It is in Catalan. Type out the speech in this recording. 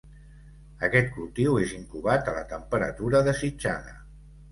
Aquest cultiu és incubat a la temperatura desitjada.